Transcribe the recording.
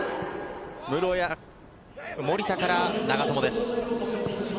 盛田から長友です。